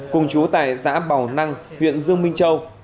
cùng trú tại giã bào năng huyện dương minh châu